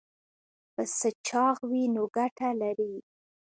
پسه چاغ وي نو ګټه لري.